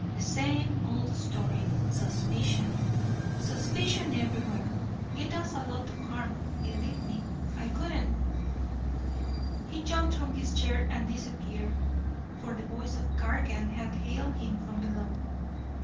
"The same old story. Suspicion suspicion everywhere. It does a lot of harm, believe me. I wouldn't " He jumped from his chair and disappeared, for the voice of Cargan had hailed him from below.